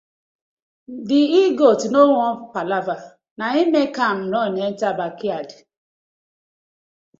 Di he-goat no wan palava na im mek him run enter bakyard.